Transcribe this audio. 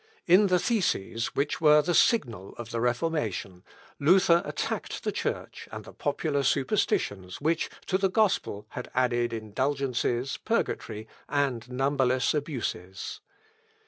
In the theses, which were the signal of the Reformation, Luther attacked the Church and the popular superstitions which to the gospel had added indulgences, purgatory, and numberless abuses.